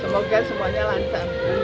semoga semuanya lancar